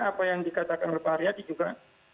apa yang dikatakan oleh pak haryadi juga